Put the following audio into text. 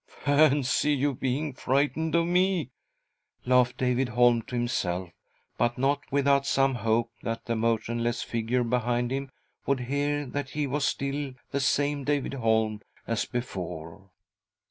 " Fancy you being frightened of me !" laughed David Holm to himself, but not without some hope , that the motionless figure behind him would hear that he. was still the same David Holm as before.